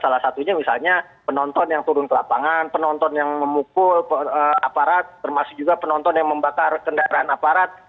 salah satunya misalnya penonton yang turun ke lapangan penonton yang memukul aparat termasuk juga penonton yang membakar kendaraan aparat